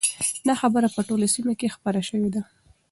دا خبره په ټوله سیمه کې خپره شوې ده.